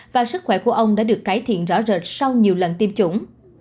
và sức khỏe của ông đã được cải thiện rõ rệt sau nhiều lần tiêm chủng